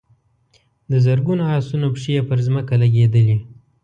د زرګونو آسونو پښې پر ځمکه لګېدلې.